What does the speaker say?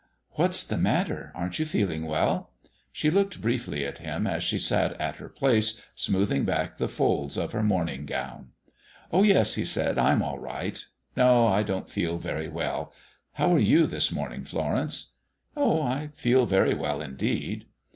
"What's the matter? Aren't you feeling well?" She looked briefly at him as she sat at her place smoothing back the folds of her morning gown. "Oh yes," he said, "I'm all right. No, I don't feel very well. How are you this morning, Florence?" "Oh, I feel very well, indeed."